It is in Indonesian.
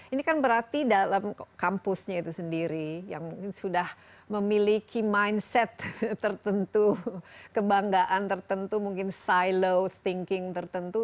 ini kan berarti dalam kampusnya itu sendiri yang sudah memiliki mindset tertentu kebanggaan tertentu mungkin silo thinking tertentu